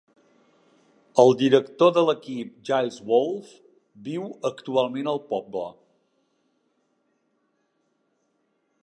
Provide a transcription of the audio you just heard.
El director de l'equip, Giles Wolfe, viu actualment al poble.